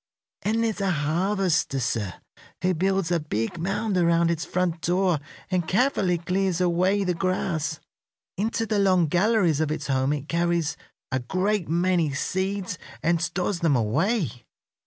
"And there's a harvester, sir, who builds a big mound around its front door and carefully clears away the grass. Into the long galleries of its home it carries a great many seeds, and stores them away.